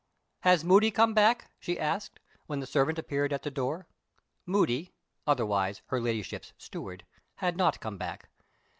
Has Moody come back?" she asked, when the servant appeared at the door. "Moody" (otherwise her Ladyship's steward) had not come back.